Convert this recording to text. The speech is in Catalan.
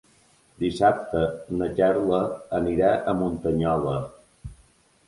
Dissabte na Carla anirà a Muntanyola.